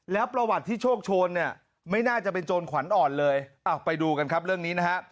แล้วประวัติที่โชคโชนเนี่ยไม่น่าจะเป็นโจรขวัญอ่อนเลยไปดูกันครับเรื่องนี้นะฮะ